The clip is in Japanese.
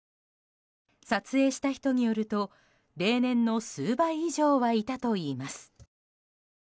撮影した人によると例年の数倍以上はいたといいます。